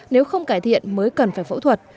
nếu không cải thiện mới cần phải phẫu thuật